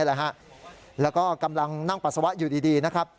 แล้วก็กำลังนั่งปัสสาวะอยู่ดีนะครับ